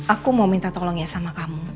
aku mau minta tolong ya sama kamu